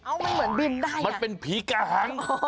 เอามันเหมือนบินได้ไหมมันเป็นผีกะหัง